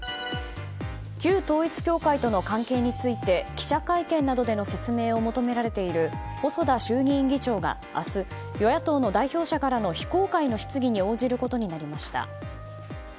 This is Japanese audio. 旧統一教会との関係について記者会見などでの説明を求められている細田衆議院議長が明日、与野党の代表者からの非公開の質疑に応じることになりました。